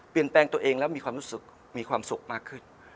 เปลี่ยนแปลงตัวเองแล้วมีความสุขมากขึ้น